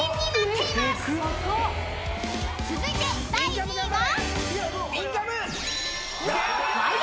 ［続いて第２位は？］